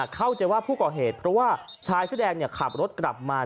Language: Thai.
เข้าใจว่าผู้ก่อเหตุเพราะว่าชายเสื้อแดงขับรถกลับมา